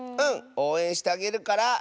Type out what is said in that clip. おうえんしてあげるから。